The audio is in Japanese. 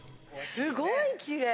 すごいきれい！